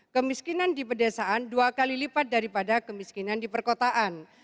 kemiskinan di pedesaan dua kali lipat daripada kemiskinan di perkotaan